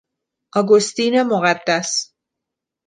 اگوستین مقدس